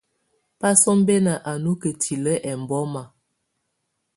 Basɔmbɛna á nɔ kǝ́tilǝ́ ɛmbɔma.